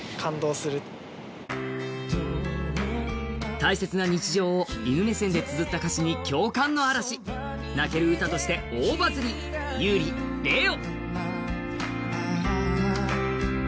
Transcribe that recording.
大切な日常を犬目線でつづった歌詞に共感の嵐、泣ける歌として大バズり、優里「レオ」。